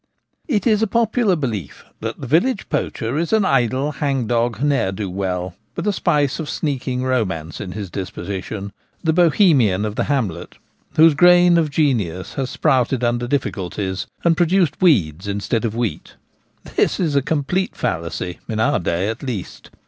It is a popular belief that the village poacher is an idle, hang dog ne'er do well, with a spice of sneaking romance in his disposition — the Bohemian of the hamlet, whose grain of genius has sprouted under dif Acuities, and produced weeds instead of wheat. This The Real Poacher. 143 is a complete fallacy, in our day at least.